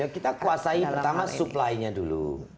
kita kuasai pertama supply nya dulu